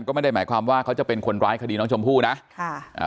ก็ไม่ได้หมายความว่าเขาจะเป็นคนร้ายคดีน้องชมพู่นะค่ะอ่า